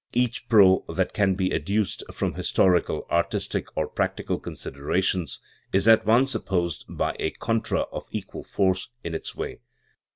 Each "pro" that can be adduce^ from historical, artistic, or practical considerations is at once opposed by a "contra" of equal force in its way.